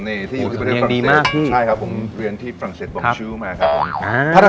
นี่ที่อยู่ที่ประเทศฝรั่งใช่ครับผมเรียนที่ฝรั่งเศสบอมชิวมาครับผม